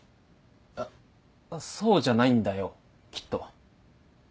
あそうじゃないんだよきっと。